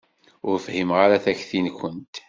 Ur fhimeɣ ara takti-nkent.